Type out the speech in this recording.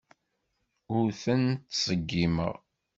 Ur ten-ttṣeggimeɣ.